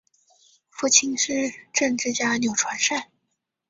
父亲是政治家钮传善。